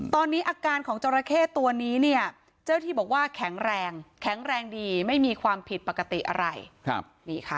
ตอนนี้อาการของจราเข้ตัวนี้เนี่ยเจ้าที่บอกว่าแข็งแรงแข็งแรงดีไม่มีความผิดปกติอะไร